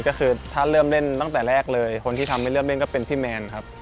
ก็คือถ้าเริ่มเล่นตั้งแต่แรกเลยคนที่ทำให้เริ่มเล่นก็เป็นพี่แมนครับ